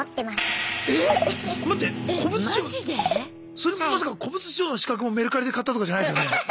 それもまさか古物証の資格もメルカリで買ったとかじゃないですよね。